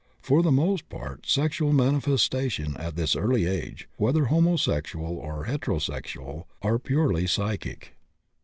For the most part sexual manifestations at this early age, whether homosexual or heterosexual, are purely psychic.